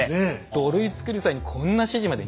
土塁を造る際にこんな指示まで。